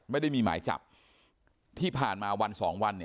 ไม่ได้มีหมายจับที่ผ่านมาวัน๒วัน